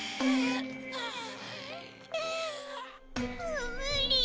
もうむり。